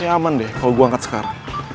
ya aman deh kalo gue angkat sekarang